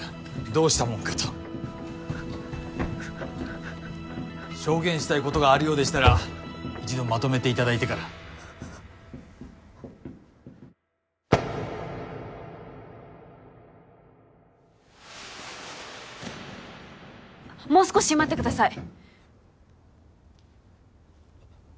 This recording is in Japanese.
どうしたもんかと証言したいことがあるようでしたら一度まとめていただいてからもう少し待ってください